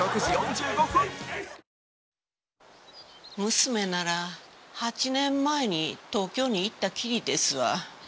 娘なら８年前に東京に行ったきりですわ。